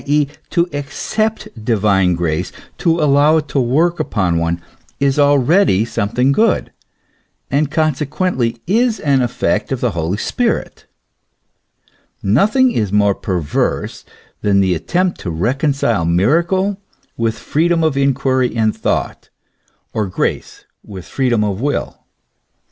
e., to accept divine grace, to allow it to work upon one, is already something good, and consequently is an effect of the Holy Spirit. Nothing is more perverse than the attempt to reconcile miracle with freedom of inquiry and thought, or grace with freedom of will.